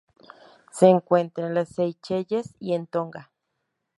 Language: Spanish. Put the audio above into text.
Se encuentra en las Seychelles y en Tonga.